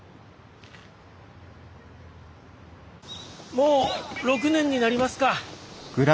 もう６年になりますか。